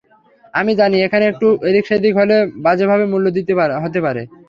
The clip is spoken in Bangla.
আমি জানি, এখানে একটু এদিক-সেদিক হলে বাজেভাবে মূল্য দিতে হতে পারে।